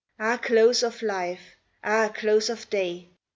Ah, close of life ! Ah, close of day